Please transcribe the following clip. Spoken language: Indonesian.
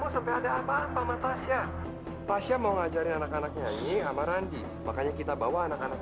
mau sampai ada apa apa matahari tasya mau ngajarin anak anaknya ini ama randi makanya kita bawa anak anak